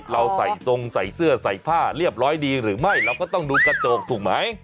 เราใส่ทรงใส่เสื้อใส่ผ้าเรียบร้อยดีหรือไม่เราก็ต้องดูกระจกถูกไหม